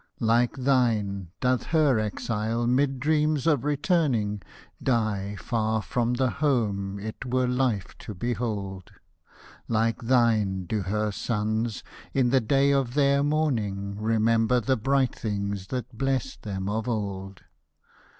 Like thine doth her exile, 'mid dreams of returning, Die far from the home it were life to behold ; Like thine do her sons, in the day of their mourning, Remember the bright things that blessed them of old.